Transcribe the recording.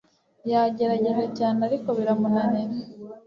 Yagerageje cyane ariko biramunanira